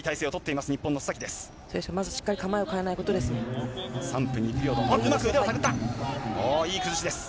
まずしっかり構えを変えないことですね。